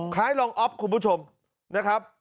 คล้ายรองอ๊อฟคุณผู้ชมนะครับ